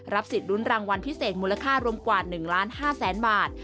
รับสิทธิ์รุ้นรางวัลพิเศษมูลค่ารวมกว่า๑๕๐๐๐๐๐บาท